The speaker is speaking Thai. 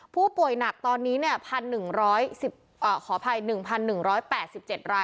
ผู้ป่วยหนักตอนนี้เนี่ย๑๑๘๗ราย